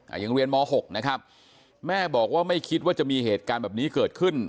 ยังเรียนมหกนะครับแม่บอกว่าไม่คิดว่าจะมีเหตุการณ์แบบนี้เกิดขึ้น